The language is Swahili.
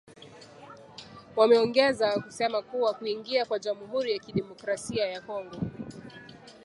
Wameongeza kusema kuwa kuingia kwa jamhuri ya kidemokrasia ya Kongo